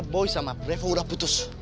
boi sama reva udah putus